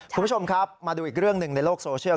คุณผู้ชมครับมาดูอีกเรื่องหนึ่งในโลกโซเชียล